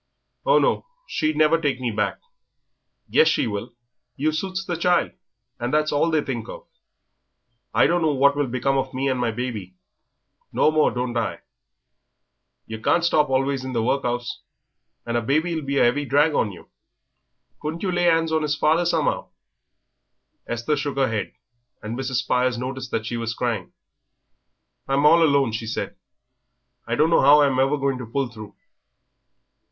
"Oh, no, she'd never take me back." "Yes, she will; you suits the child, and that's all they think of." "I don't know what will become of me and my baby." "No more don't I. Yer can't stop always in the work'us, and a baby'll be a 'eavy drag on you. Can't you lay 'ands on 'is father, some'ow?" Esther shook her head, and Mrs. Spires noticed that she was crying. "I'm all alone," she said; "I don't know 'ow I'm ever to pull through."